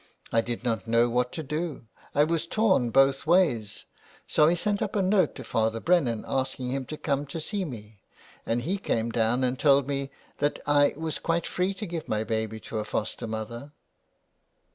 I did not know what to do. I was torn both ways, so I sent up a note to Father Brennan asking him to come to see me, and he came down and told me that I was quite free to give my baby to a foster mother."